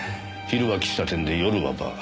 昼は喫茶店で夜はバー。